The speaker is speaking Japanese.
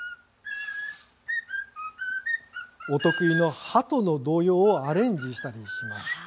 お得意の「鳩」の童謡をアレンジしたりします。